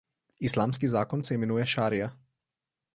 Islamski zakon se imenuje šarija.